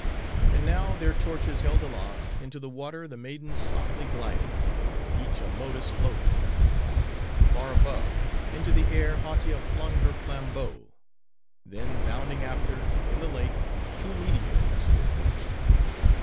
And now, their torches held aloft, into the water the maidens softly glided; and each a lotus floated; while, from far above, into the air Hautia flung her flambeau; then bounding after, in the lake, two meteors were quenched.